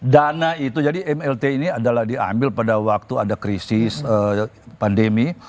dana itu jadi mlt ini adalah diambil pada waktu ada krisis pandemi